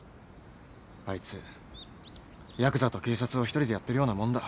あいつやくざと警察を一人でやってるようなもんだ。